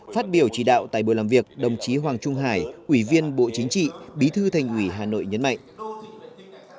phát biểu chỉ đạo tại buổi làm việc đồng chí hoàng trung hải ủy viên bộ chính trị bí thư thành ủy hà nội nhấn mạnh